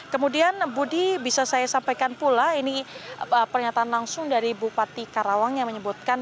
kemudian budi bisa saya sampaikan pula ini pernyataan langsung dari bupati karawang yang menyebutkan